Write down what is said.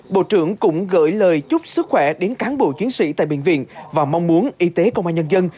bộ trưởng cũng gửi lời chúc sức khỏe đến cán bộ chiến sĩ tại bệnh viện và mong muốn y tế công an nhân dân